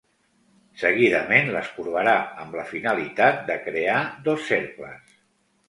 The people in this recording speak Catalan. Seguidament les corbarà amb la finalitat de crear dos cercles.